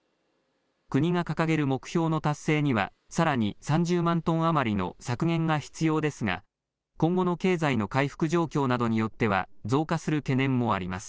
国が掲げる目標の達成には、さらに３０万トン余りの削減が必要ですが、今後の経済の回復状況などによっては、増加する懸念もあります。